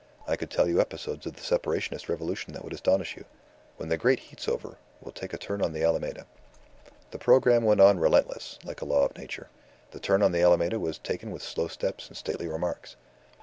I could tell you episodes of the Separationist revolution that would astonish you. When the great heat's over, we'll take a turn on the Alameda." The programme went on relentless, like a law of Nature. The turn on the Alameda was taken with slow steps and stately remarks.